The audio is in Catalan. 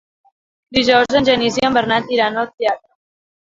Dijous en Genís i en Bernat iran al teatre.